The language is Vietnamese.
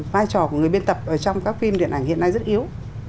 vai trò của người biên tập trong các phim điện ảnh hiện nay rất yếu